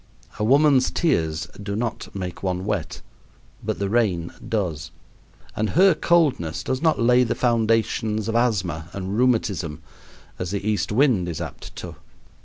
A woman's tears do not make one wet, but the rain does; and her coldness does not lay the foundations of asthma and rheumatism, as the east wind is apt to.